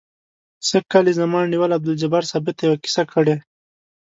سږ کال یې زما انډیوال عبدالجبار ثابت ته یوه کیسه کړې.